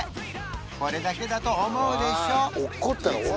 これだけだと思うでしょ？